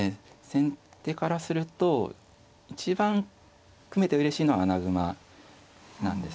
先手からすると一番組めてうれしいのは穴熊なんですが。